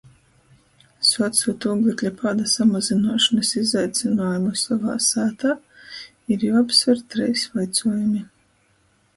Suocūt ūglekļa pāda samazynuošonys izaicynuojumu sovā sātā, ir juoapsver treis vaicuojumi.